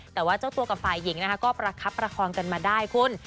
แต่ว่าเจ้าตัวกับฝ่ายหญิงนะคะก็ประคับประคองกันมาได้คุณ